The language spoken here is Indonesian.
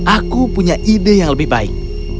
aku punya ide yang lebih baik